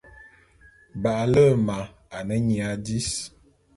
Ba’ale’e ma ane nyia dis.